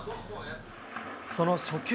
その初球。